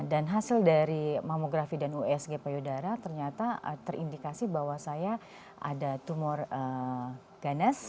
dan hasil dari mamografi dan usg payudara ternyata terindikasi bahwa saya ada tumor ganas